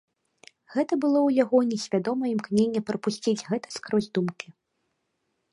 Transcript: Гэта было ў яго несвядомае імкненне прапусціць гэта скрозь думкі.